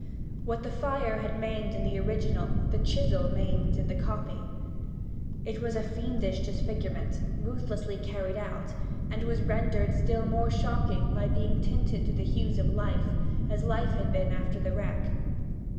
What the fire had maimed in the original the chisel maimed in the copy. It was a fiendish disfigurement, ruthlessly carried out, and was rendered still more shocking by being tinted to the hues of life, as life had been after the wreck.